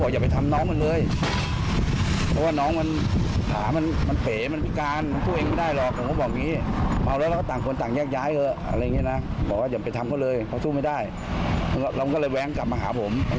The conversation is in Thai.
เดี๋ยวจะมาพังร้านเลยแล้วนี่มาพังร้านจริงค่ะ